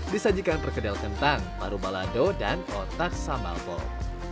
disajikan perkedel kentang paru balado dan otak sambal pol